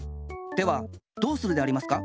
ではどうするでありますか？